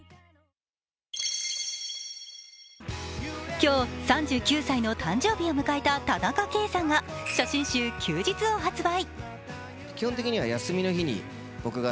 今日３９歳の誕生日を迎えた田中圭さんが写真集「休日」を発売。